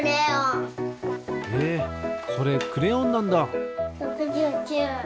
へえそれクレヨンなんだ。